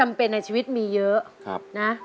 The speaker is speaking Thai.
มาทิงพลุกภาษา